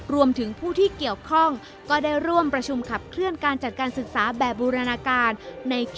รวมถึงผู้ที่เกี่ยวข้องก็ได้ร่วมประชุมขับเคลื่อนการจัดการศึกษาแบบบูรณาการ